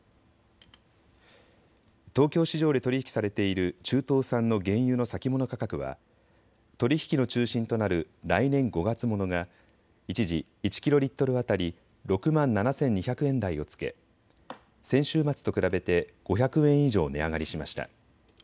東京市場で取り引きされている中東産の原油の先物価格は取り引きの中心となる来年５月ものが一時１キロリットル当たり６万７２００円台をつけ先週末と比べて５００円以上値上がりしました。